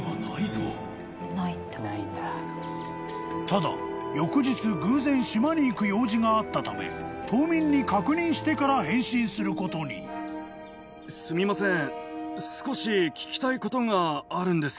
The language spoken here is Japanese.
［ただ翌日偶然島に行く用事があったため島民に確認してから返信することに］すみません。